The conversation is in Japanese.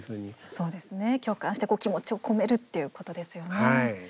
そうですね共感して気持ちを込めるっていうことですよね。